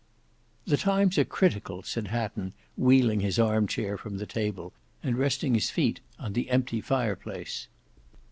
"The times are critical," said Hatton wheeling his arm chair from the table and resting his feet on the empty fire place.